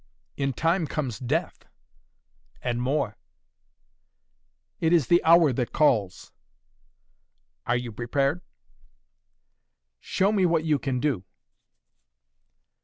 "In time comes death!" "And more!" "It is the hour that calls!" "Are you prepared?" "Show me what you can do!"